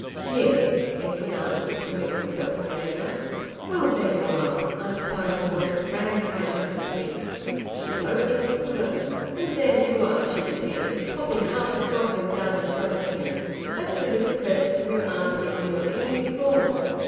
Yes," Edwin answered, pulling himself together. "Well! There you are!" Auntie Clara's voice rang triumphantly. She was opening her purse. "And there you are!" she repeated, popping half a sovereign down in front of him. "That's a little present from your auntie on your leaving school."